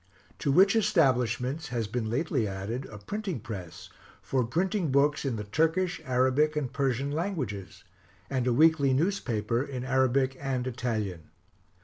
To which establishments has been lately added a printing press, for printing books in the Turkish, Arabic and Persian languages, and a weekly newspaper in Arabic and Italian.